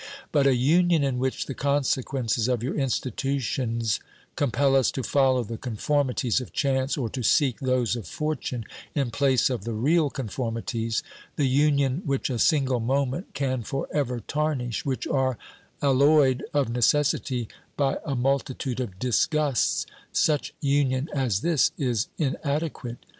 But a union in which the consequences of your institu tions compel us to follow the conformities of chance, or to seek those of fortune, in place of the real conformities ; the union which a single moment can for ever tarnish, which are alloyed of necessity by a multitude of disgusts ; such union as this is inadequate.